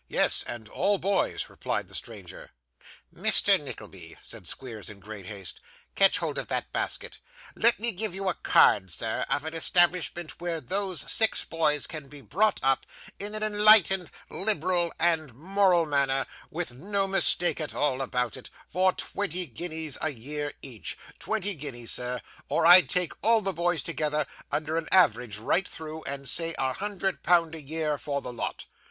'Yes, and all boys,' replied the stranger. 'Mr. Nickleby,' said Squeers, in great haste, 'catch hold of that basket. Let me give you a card, sir, of an establishment where those six boys can be brought up in an enlightened, liberal, and moral manner, with no mistake at all about it, for twenty guineas a year each twenty guineas, sir or I'd take all the boys together upon a average right through, and say a hundred pound a year for the lot.